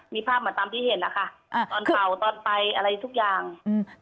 มีภาพเหมือนตามที่เห็นนะคะอ่าตอนเผ่าตอนไปอะไรทุกอย่างอืม